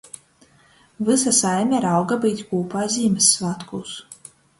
Vysa saime rauga byut kūpā Zīmyssvātkūs.